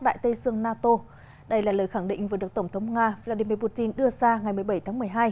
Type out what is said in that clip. đại tây xương nato đây là lời khẳng định vừa được tổng thống nga vladimir putin đưa ra ngày một mươi bảy tháng